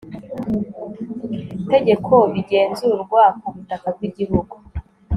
tegeko bigenzurwa ku butaka bw igihugu